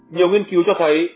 nhiều nghiên cứu cho thấy